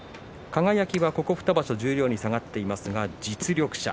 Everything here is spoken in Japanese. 輝は、ここ２場所十両に下がっていますが実力者。